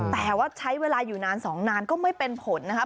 แต่ว่าใช้เวลาอยู่นาน๒นานก็ไม่เป็นผลนะครับ